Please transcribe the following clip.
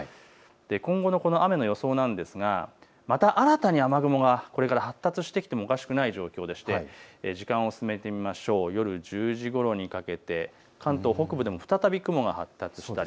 今後の雨の予想なんですがまた新たに雨雲が発達してきてもおかしくない状況でして夜１０時ごろにかけて関東北部でも再び雲が発達しそう。